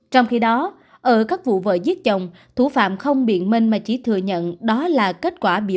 trong khi đó ở các vụ vợ giết chồng thủ phạm không biện minh mà chỉ thừa nhận đó là kết quả biểu